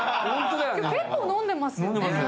結構飲んでますよね皆さん。